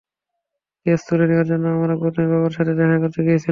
Case তুলে নেওয়ার জন্য, আমরা গৌতমের বাবার সাথে দেখা করতে গিয়েছিলাম।